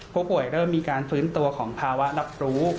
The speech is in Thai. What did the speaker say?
ผู้ป่วยเริ่มมีการฟื้นตัวของภาวะรับรู้